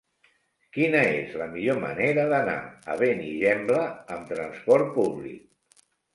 Quina és la millor manera d'anar a Benigembla amb transport públic?